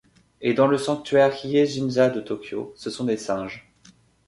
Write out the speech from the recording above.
Et dans le sanctuaire Hie-jinja de Tokyo, ce sont des singes.